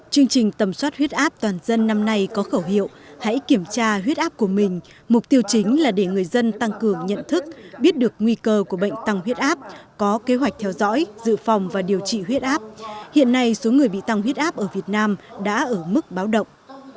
chương trình tầm soát huyết áp toàn dân năm nay có khẩu hiệu hãy kiểm tra huyết áp của mình mục tiêu chính là để người dân tăng cường nhận thức biết được nguy cơ của bệnh tăng huyết áp có kế hoạch theo dõi dự phòng và điều trị huyết áp hiện nay số người bị tăng huyết áp ở việt nam đã ở mức báo động